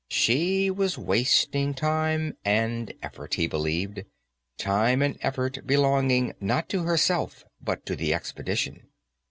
She was wasting time and effort, he believed; time and effort belonging not to herself but to the expedition.